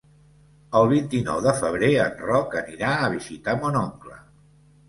El vint-i-nou de febrer en Roc anirà a visitar mon oncle.